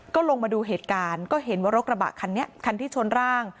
ก็ลงมาดูเหตุการณ์ก็เห็นว่ารถกระบะคันนี้คันที่ชนร่าง